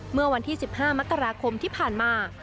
เมื่อวันที่๑๕มกราคมที่ผ่านมา